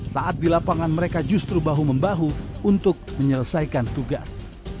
saat di lapangan mereka justru bahu membahu untuk menyelesaikan tugas